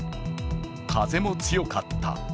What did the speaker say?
風も強かった。